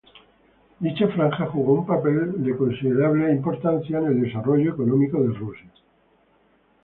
Dicha franja jugó un papel de considerable importancia en el desarrollo económico de Rusia.